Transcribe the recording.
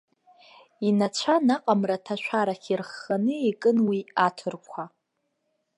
Инацәа наҟ амраҭашәарахь ирхханы икын уи аҭырқәа.